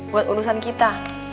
buat urusan kita